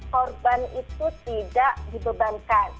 korban itu tidak dibebankan